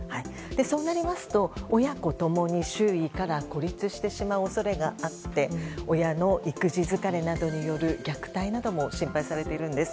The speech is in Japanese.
そうなりますと親と共に周囲から孤立してしまう恐れがあって親の育児疲れなどによる虐待なども心配されているんです。